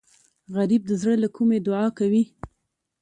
غریب د زړه له کومي دعا کوي